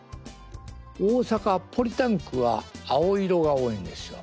大阪ポリタンクは青色が多いんですよ。